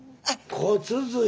骨髄！